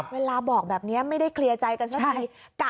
เวลาบอกแบบนี้ไม่ได้เคลียร์ใจกันสักที